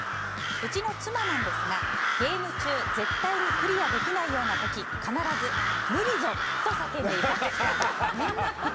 うちの妻なんですがゲーム中絶対にクリアできないような時必ず無理ぞ！と叫んでいます。